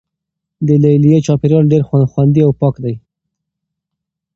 د لیلیې چاپیریال ډیر خوندي او پاک دی.